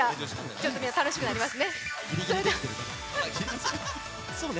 ちょっと楽しくなりますね。